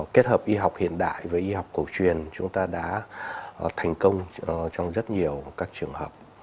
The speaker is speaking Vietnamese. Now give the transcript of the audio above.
kết hợp y học hiện đại với y học cổ truyền chúng ta đã thành công trong rất nhiều các trường học